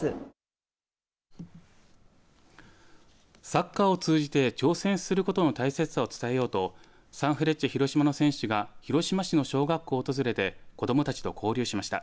サッカーを通じて挑戦することの大切さを伝えようとサンフレッチェ広島の選手が広島市の小学校を訪れて子どもたちと交流しました。